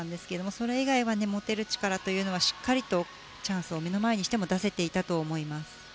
それ以外は持てる力というのはしっかりとチャンスを目の前にしても出せていたと思います。